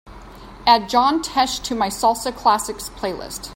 Add John Tesh to my salsa classics playlist